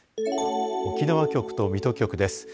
沖縄局と水戸局です。